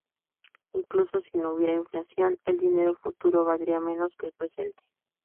Incluso si no hubiera inflación, el dinero futuro valdría menos que el presente.